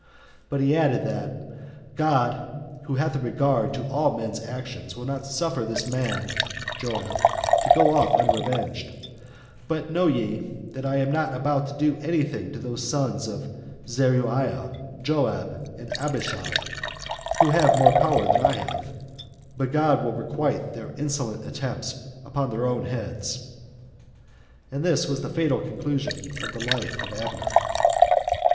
But he added, that "God, who hath a regard to all men's actions, will not suffer this man [Joab] to go off unrevenged; but know ye, that I am not able to do any thing to these sons of Zeruiah, Joab and Abishai, who have more power than I have; but God will requite their insolent attempts upon their own heads." And this was the fatal conclusion of the life of Abner.